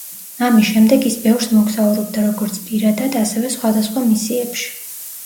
ამის შემდეგ ის ბევრს მოგზაურობდა როგორც პირადად, ასევე სხვადასხვა მისიებში.